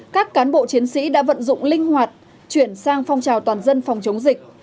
các cán bộ chiến sĩ đã vận dụng linh hoạt chuyển sang phong trào toàn dân phòng chống dịch